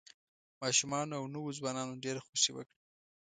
ماشومانو او نوو ځوانانو ډېره خوښي وکړه.